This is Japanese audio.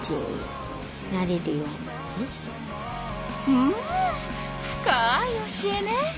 うん深い教えね！